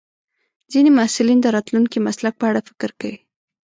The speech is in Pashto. ځینې محصلین د راتلونکي مسلک په اړه فکر کوي.